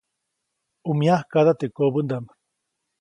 ʼU myakaʼda teʼ kobäʼndaʼm.